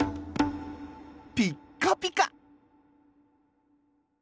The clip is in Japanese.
「ピッカピカ」。